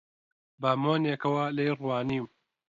بە مۆنێکەوە لێی ڕوانیم: